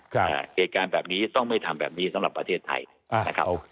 เหตุการณ์แบบนี้ต้องไม่ทำแบบนี้สำหรับประเทศไทยนะครับ